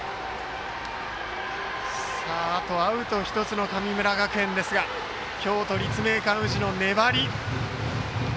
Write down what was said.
あとアウト１つの神村学園ですが京都の立命館宇治の粘り。